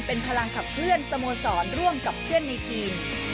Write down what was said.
เป็นพลังขับเคลื่อนสโมสรร่วมกับเพื่อนในทีม